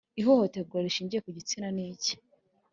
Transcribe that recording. ihohoterwa rishingiye ku gitsina n’iki?